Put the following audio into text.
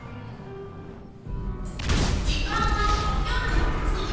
時間は夜の９時。